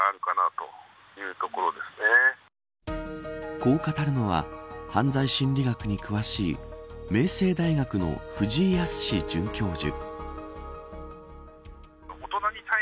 こう語るのは犯罪心理学に詳しい明星大学の藤井靖准教授。